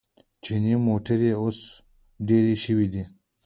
چیني موټرې اوس ډېرې شوې دي.